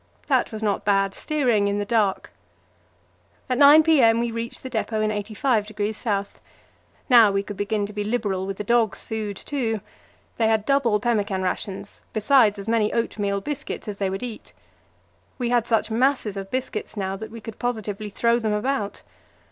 That was not bad steering in the dark. At 9 p.m. we reached the depot in 85° S. Now we could begin to be liberal with the dogs' food, too; they had double pemmican rations, besides as many oatmeal biscuits as they would eat. We had such masses of biscuits now that we could positively throw them about.